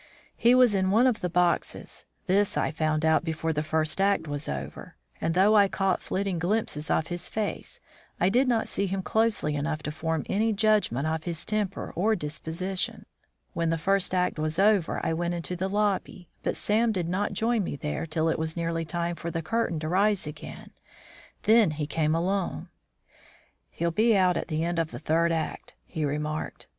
He was in one of the boxes; this I found out before the first act was over; and though I caught flitting glimpses of his face, I did not see him closely enough to form any judgment of his temper or disposition. When the first act was over I went into the lobby, but Sam did not join me there till it was nearly time for the curtain to rise again. Then he came alone. "He'll be out at the end of the third act," he remarked.